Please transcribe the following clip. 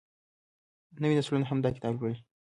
نوې نسلونه هم دا کتاب لولي.